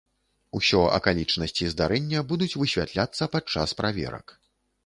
Усё акалічнасці здарэння будуць высвятляцца падчас праверак.